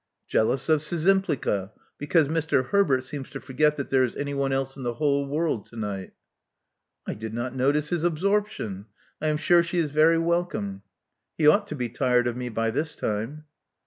Jealous of Szczympliga, because Mister Herbert seems to forget that there is anyone else in the whole world to night. '* I did not notice his absorption. I am sure she is very welcome. He ought to be tired of me by this time."